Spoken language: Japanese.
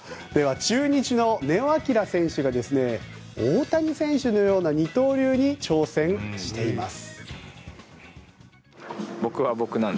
中日の根尾昂選手が大谷選手のような二刀流に挑戦しています。